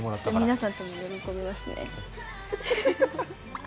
皆さんとも喜びますね。